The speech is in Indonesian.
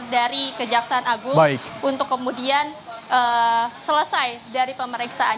dari kejaksaan agung untuk kemudian selesai dari pemeriksaan